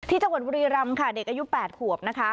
จังหวัดบุรีรำค่ะเด็กอายุ๘ขวบนะคะ